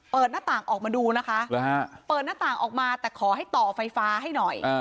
หน้าต่างออกมาดูนะคะเปิดหน้าต่างออกมาแต่ขอให้ต่อไฟฟ้าให้หน่อย